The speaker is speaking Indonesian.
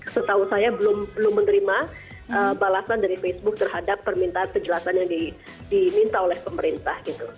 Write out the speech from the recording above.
setahu saya belum menerima balasan dari facebook terhadap permintaan penjelasan yang diminta oleh pemerintah